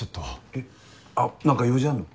えあ何か用事あんの？